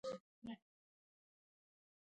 او کانټنجنسي ټکے نۀ پېژني -